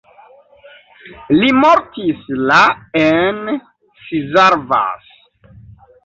Li mortis la en Szarvas.